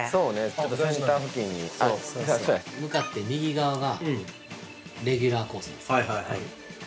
ちょっとセンター付近に向かって右側がレギュラーコースです